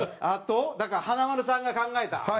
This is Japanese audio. あとだから華丸さんが考えた。